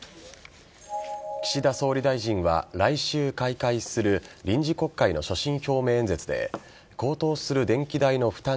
岸田総理大臣は来週開会する臨時国会の所信表明演説で高騰する電気代の負担